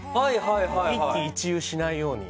一喜一憂しないように。